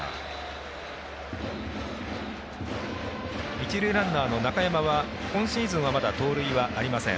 一塁ランナーの中山は今シーズンはまだ盗塁はありません。